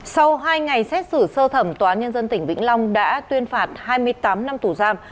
sau hai ngày xét xử sơ thẩm tòa án nhân dân tỉnh vĩnh long đã tuyên phạt hai mươi tám năm tù giam